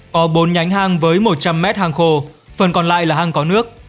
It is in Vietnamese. có bốn nhánh hang với một trăm linh m hang khô phần còn lại là hang có nước